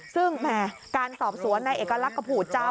ซึ่งแหมการสอบสวนนายเอกลักษณ์ก็ผูดเจ้า